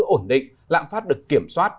ổn định lạng phát được kiểm soát